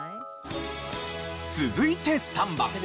続いて３番。